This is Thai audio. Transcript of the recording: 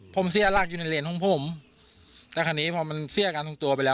ผมเสียหลักอยู่ในเลนของผมแต่คราวนี้พอมันเสียการทรงตัวไปแล้ว